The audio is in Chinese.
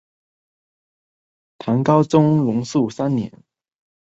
唐高宗龙朔三年。